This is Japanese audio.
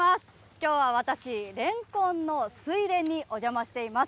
きょうは私、レンコンの水田にお邪魔しています。